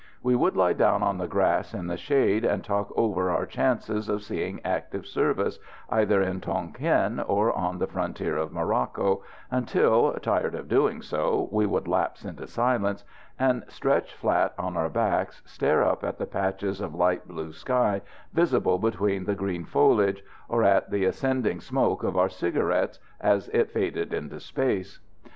We would lie down on the grass in the shade and talk over our chances of seeing active service, either in Tonquin or on the frontier of Morocco, until, tired of doing so, we would lapse into silence and, stretched flat on our backs, stare up at the patches of light blue sky visible between the green foliage, or at the ascending smoke of our cigarettes as it faded into space.